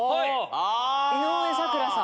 井上咲楽さん！